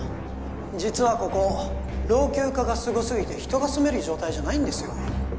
実はここ老朽化がすごすぎて人が住める状態じゃないんですよ